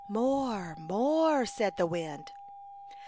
" More, more," said the wind.